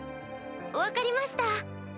分かりました。